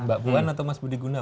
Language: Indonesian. mbak puan atau mas budi guna